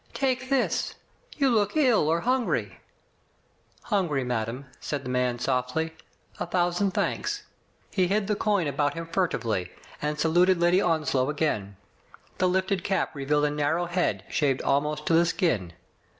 "Take this. You look ill or hungry." "Hungry, madame, said the man softly. A thousand thanks. He hid the coin about him furtively, and saluted Lady Onslow again. The lifted cap revealed a narrow head shaved almost to the skin.